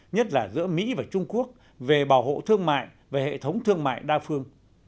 nhất là giữa mỹ và trung quốc về bảo hộ thương mại và hệ thống thương mại đa phương